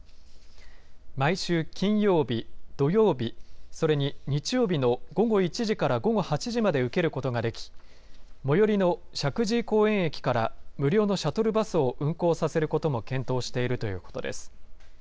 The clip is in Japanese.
毎週金曜日、土曜日、それに日曜日の午後１時から午後８時まで受けることができ、最寄りの石神井公園駅から無料のシャトルバスを運行させることも検討しているということです。